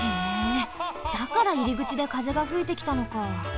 だからいりぐちでかぜがふいてきたのか。